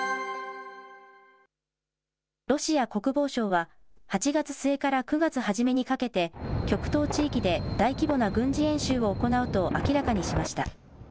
ロシア国防省は、８月末から９月初めにかけて、極東地域で大規模な軍事演習を行うと明らかにしました。